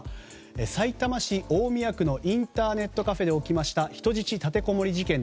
さいたま市大宮区のインターネットカフェで起きた人質立てこもり事件。